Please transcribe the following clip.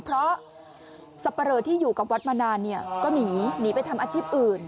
เพราะสับปะเลอที่อยู่กับวัดมานานเนี่ยก็หนีไปทำอาชีพอื่น